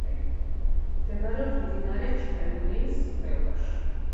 მდებარეობს მდინარე ჩხერიმელის ხეობაში.